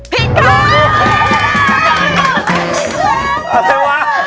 ผิดตา